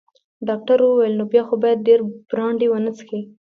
ډاکټر وویل: نو بیا خو باید ډیر برانډي ونه څښې.